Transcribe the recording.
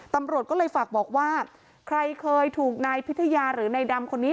ตำรวจก็เลยฝากบอกว่าใครเคยถูกนายพิทยาหรือนายดำคนนี้